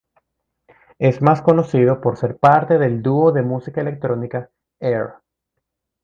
Es más conocido por ser parte del dúo de música electrónica Air.